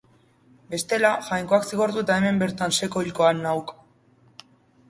Bestela, Jainkoak zigortu eta hemen bertan seko hilko ahal nauk!